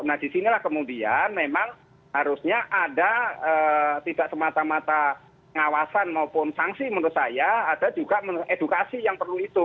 nah disinilah kemudian memang harusnya ada tidak semata mata ngawasan maupun sanksi menurut saya ada juga edukasi yang perlu itu